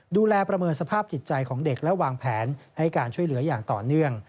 ประเมินสภาพจิตใจของเด็กและวางแผนให้การช่วยเหลืออย่างต่อเนื่อง